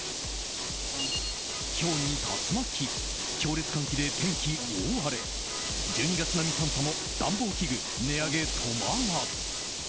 ひょうに竜巻強烈寒気で天気大荒れ１２月並み寒さも暖房器具、値上げ止まらず。